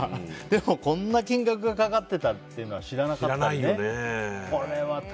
でも、こんな金額がかかってたっていうのは知らなかったよね。